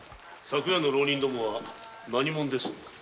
昨夜の浪人どもは何者です？